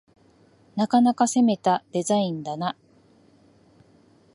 なかなか攻めたデザインだな